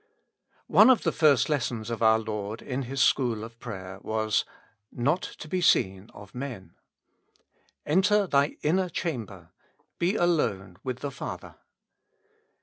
ONE of the first lessons of our Lord in His school of prayer was : Not to be seen of men. Enter thy inner chamber ; be alone with the Father.